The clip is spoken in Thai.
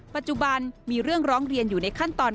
ปัจจุบันมีเรื่องร้องเรียนอยู่ในขั้นตอน